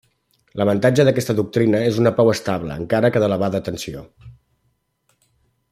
L'avantatge d'aquesta doctrina és una pau estable encara que d'elevada tensió.